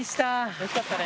・惜しかったね。